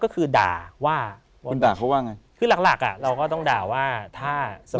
คือหลักอ่ะเราก็ต้องด่าว่าถ้าสมมติ